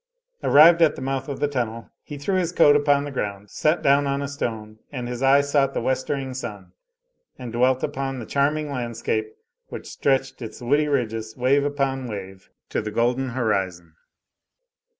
Arrived at the mouth of the tunnel, he threw his coat upon the ground, sat down on a stone, and his eye sought the westering sun and dwelt upon the charming landscape which stretched its woody ridges, wave upon wave, to the golden horizon.